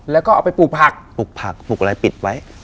แล้วก็เอาไปปลูกผักปลูกผักปลูกอะไรปิดไว้